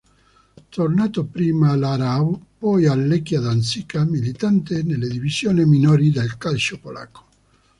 Tornato prima all'Aarau poi al Lechia Danzica, militante nelle divisioni minori del calcio polacco.